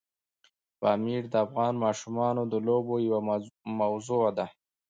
پامیر د افغان ماشومانو د لوبو یوه موضوع ده.